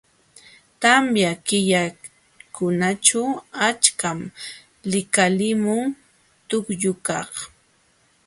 Tamya killakunaćhu achkam likalimun tukllukaq..